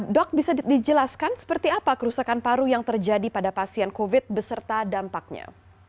dok bisa dijelaskan seperti apa kerusakan paru yang terjadi pada pasien covid beserta dampaknya